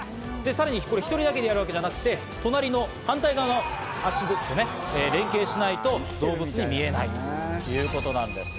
さらに１人でやるわけではなく、反対側の足と連携しないと動物に見えないということなんです。